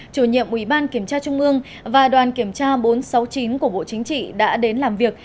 chủ nhiệm ủy ban kiểm tra trung ương và đoàn kiểm tra bốn trăm sáu mươi chín của bộ chính trị đã đến làm việc